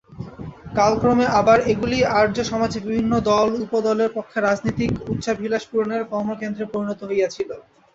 কালক্রমে আবার এগুলিই আর্যসমাজের বিভিন্ন দল-উপদলের পক্ষে রাজনীতিক উচ্চাভিলাষ-পূরণের কর্মকেন্দ্রে পরিণত হইয়াছিল।